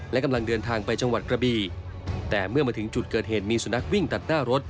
และกำลังเดินทางไปจังหวัดกระบีแต่เมื่อมาถึงจุดเกิดเหตุมีสุนัขวิ่งตัดหน้ารถ